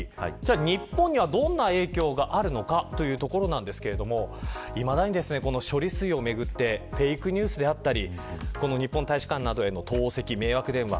日本にはどんな影響があるのかというところですがいまだに処理水をめぐってフェイクニュースであったり日本大使館などへの投石迷惑電話